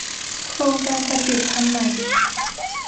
โครงการบัณฑิตพันธุ์ใหม่